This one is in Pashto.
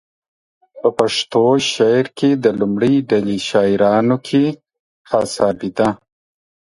په پښتو شعر کې د لومړۍ ډلې شاعرانو کې حسابېده.